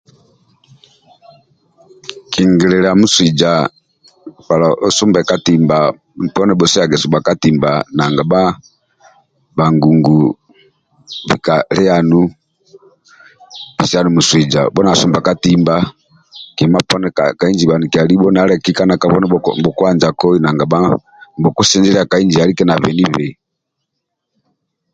Kingililya muswija akibqla osumbe katimba bhenu poni busiyage subha katimba nanga bhangungu bhakaliyanu pesianu muswija bhh na sumba katimba kima poni kainji libo kabha naleki nibukuaja koi nibu ku sinjilya kainji alike nabheni bhei